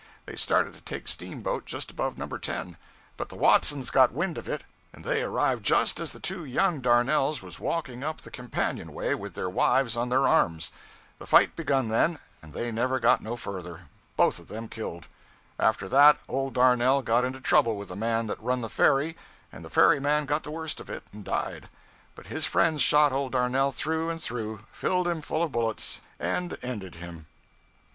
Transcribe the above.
They started to take steamboat just above No. 10; but the Watsons got wind of it; and they arrived just as the two young Darnells was walking up the companion way with their wives on their arms. The fight begun then, and they never got no further both of them killed. After that, old Darnell got into trouble with the man that run the ferry, and the ferry man got the worst of it and died. But his friends shot old Darnell through and through filled him full of bullets, and ended him.'